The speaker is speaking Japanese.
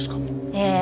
ええ。